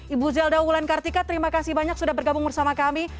ibu zelda wulan kartika terima kasih banyak sudah bergabung bersama kami